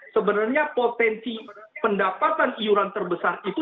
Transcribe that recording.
sebenarnya potensi pendapatan iuran terbesar itu